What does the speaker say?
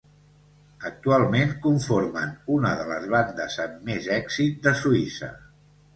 Actualment conformen una de les bandes amb més èxit de Suïssa.